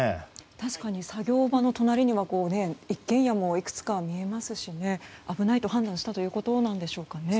確かに作業場の隣には一軒家もいくつか見えますし危ないと判断したというところでしょうか。